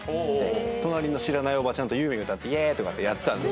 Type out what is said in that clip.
隣の知らないおばちゃんとユーミン歌ってイェイってやってたんです。